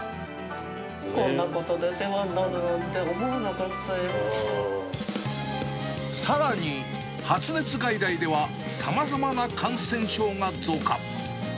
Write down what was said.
こんなことで世話になるなんさらに、発熱外来ではさまざまな感染症が増加。